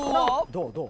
・どう？